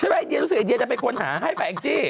ใช่ไหมเดียจะรู้สึกว่าเดี๋ยจะเป็นคนหาให้แบบจี้